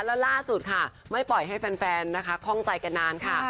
และล่าสุดค่ะไม่ปล่อยให้แฟนนะคะข้องใจกันนานค่ะ